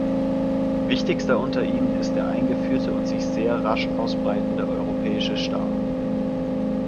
Wichtigster unter ihnen ist der eingeführte und sich sehr rasch ausbreitende Europäische Star.